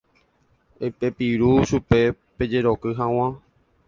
Eipepirũ chupe pejeroky hag̃ua.